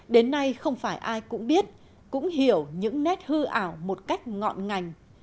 đến nay không phải ai cũng biết cũng hiểu những nét hư ảo một cách ngọn ngành